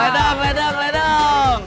ledang ledang ledang